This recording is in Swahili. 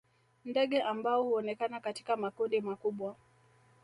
Ndege ambao huonekana katika makundi makubwa